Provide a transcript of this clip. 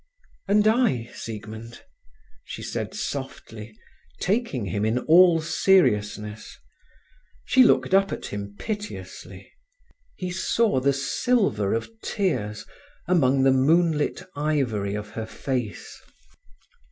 "And I, Siegmund?" she said softly, taking him in all seriousness. She looked up at him piteously. He saw the silver of tears among the moonlit ivory of her face.